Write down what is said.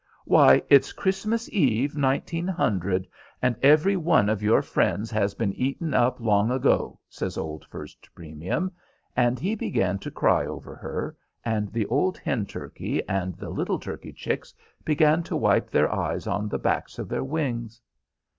"Why, it's Christmas Eve, 1900, and every one of your friends has been eaten up long ago," says old First Premium, and he began to cry over her, and the old hen turkey and the little turkey chicks began to wipe their eyes on the backs of their wings.